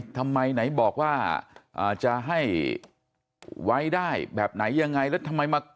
ทำไมไหนบอกว่าจะให้ไว้ได้แบบไหนยังไงแล้วทำไมมา